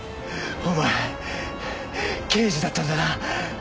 お前刑事だったんだな。